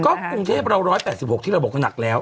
ก็บรุ้งเทพเราร้อยตัว๘๖ที่เราบอกก็หนักแล้ว